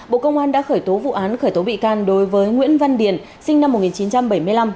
bộ công an đã khởi tố vụ án khởi tố bị can đối với nguyễn văn điền sinh năm một nghìn chín trăm bảy mươi năm